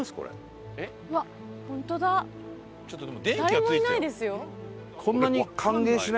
誰もいないですよ。